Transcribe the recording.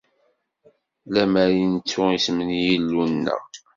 Lemmer i nettu isem n Yillu-nneɣ.